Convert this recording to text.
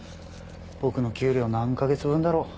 僕の給料何カ月分だろう。